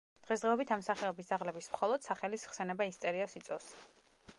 დღესდღეობით ამ სახეობის ძაღლების მხოლოდ სახელის ხსენება ისტერიას იწვევს.